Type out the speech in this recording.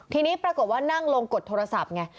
ทีนี้ปรากฏว่านั่งลงกดโทรศัพท์ไง